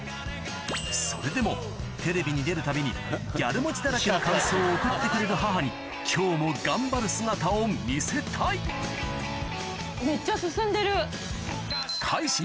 それでもテレビに出るたびにギャル文字だらけの感想を送ってくれる母に今日も頑張る姿を見せたいめっちゃ進んでる。